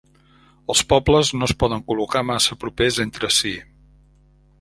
Els pobles no es poden col·locar massa propers entre si.